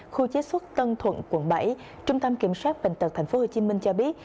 khu chế xuất tân thuận quận bảy trung tâm kiểm soát bệnh tật tp hcm cho biết